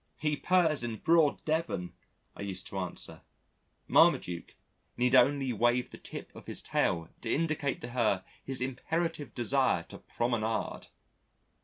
"He purrs in broad Devon," I used to answer. Marmaduke need only wave the tip of his tail to indicate to her his imperative desire to promenade.